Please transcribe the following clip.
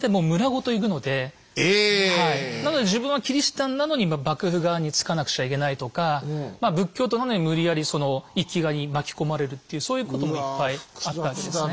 なので自分はキリシタンなのに幕府側につかなくちゃいけないとかまあ仏教徒なのに無理やりその一揆側に巻き込まれるっていうそういうこともいっぱいあったわけですね。